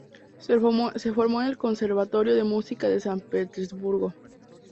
Se formó en el Conservatorio de Música de San Petersburgo.